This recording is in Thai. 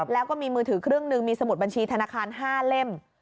แล้วก็มีมือถือครึ่งหนึ่งมีสมุดบัญชีธนาคาร๕เล่ม